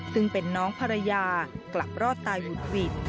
ซึ่งเป็นน้องภรรยากลับรอดตายหุดหวิด